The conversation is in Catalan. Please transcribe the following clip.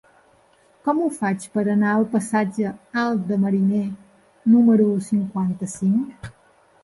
Com ho faig per anar al passatge Alt de Mariner número cinquanta-cinc?